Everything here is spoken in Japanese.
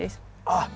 あっ